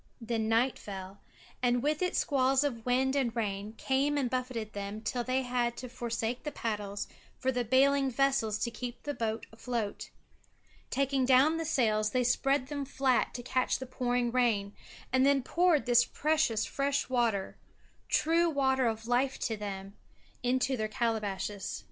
Then night fell, and with it squalls of wind and rain came and buffeted them till they had to forsake the paddles for the bailing vessels to keep the boat afloat. Taking down the sails they spread them flat to catch the pouring rain, and then poured this precious fresh water true water of life to them into their calabashes.